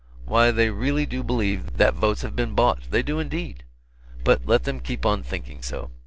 Why they really do believe that votes have been bought they do indeed. But let them keep on thinking so.